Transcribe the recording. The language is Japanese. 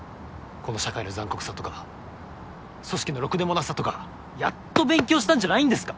この社会の残酷さとか組織のろくでもなさとかやっと勉強したんじゃないんですか！